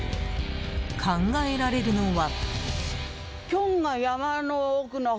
考えられるのは。